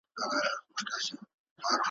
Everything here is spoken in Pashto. يوسف د يوه څاه په پټنځي کي کښيږدئ.